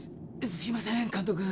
すいません監督。